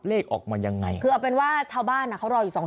เลขออกมายังไงคือเอาเป็นว่าชาวบ้านอ่ะเขารออยู่สอง